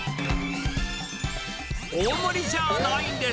大盛りじゃないんです。